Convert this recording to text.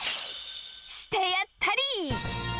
してやったり！